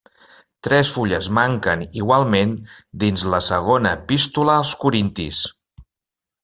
Tres fulles manquen igualment dins la Segona Epístola als Corintis.